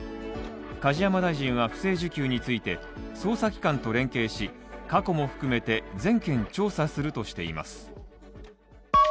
梶山大臣は不正受給について、捜査機関と連携し過去も含めて全件調査するとしています。